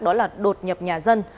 đó là đột nhập nhà dân